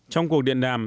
trong cuộc điện đàm